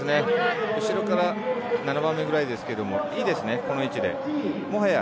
後ろから７番目くらいですけれども、いいですね、この位置で。